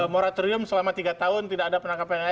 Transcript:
moratorium selama tiga tahun tidak ada penangkap pns